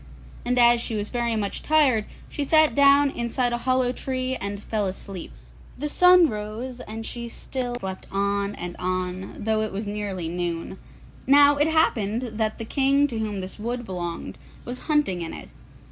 And as she was very much tired she sat down inside a hollow tree and fell asleep. The sun rose and she still slept on and on, although it was nearly noon. Now, it happened that the king to whom this wood belonged was hunting in it.